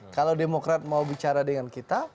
kalau demokrat mau bicara dengan kita